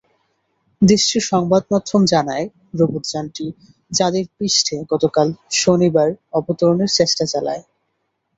দেশটির সংবাদমাধ্যম জানায়, রোবটযানটি চাঁদের পৃষ্ঠে গতকাল শনিবার অবতরণের চেষ্টা চালায়।